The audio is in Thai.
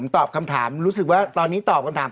ตอบคำถามรู้สึกว่าตอนนี้ตอบคำถาม